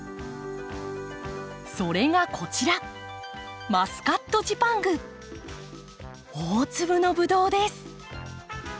それがこちら大粒のブドウです。